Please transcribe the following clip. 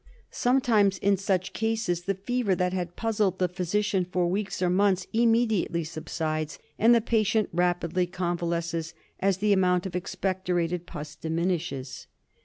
Sometimes in such cases the fever that had puzzled the physician for weeks or months immediately subsides, and the patient rapidly convalesces as the amount of expectorated pus diminishes.